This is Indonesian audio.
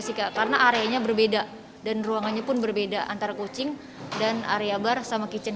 sih kak karena areanya berbeda dan ruangannya pun berbeda antara kucing dan area bar sama kitchen